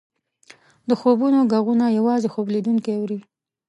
د خوبونو ږغونه یوازې خوب لیدونکی اوري.